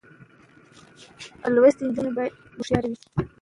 لوستې نجونې د خپل حق لپاره مبارزه کولی شي.